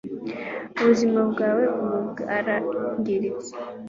ubuzima bwawe ubu bwarangiritse